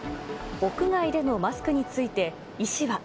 屋外でのマスクについて、医師は。